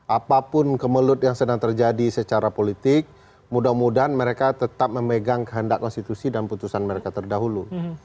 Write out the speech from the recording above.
apapun kemelut yang sedang terjadi secara politik mudah mudahan mereka tetap memegang kehendak konstitusi dan putusan mereka terdahulu